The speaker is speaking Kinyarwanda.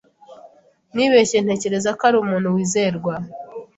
Nibeshye ntekereza ko ari umuntu wizerwa.